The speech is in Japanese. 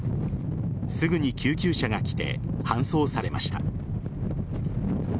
すぐに救急車が来て搬送されました。